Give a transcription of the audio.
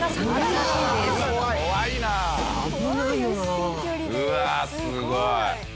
うわっすごい。